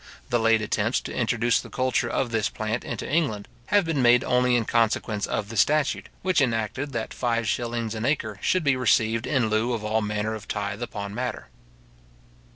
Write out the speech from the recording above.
The late attempts to introduce the culture of this plant into England, have been made only in consequence of the statute, which enacted that five shillings an acre should be received in lieu of all manner of tythe upon madder.